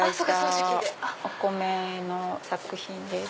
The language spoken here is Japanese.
お米の作品です。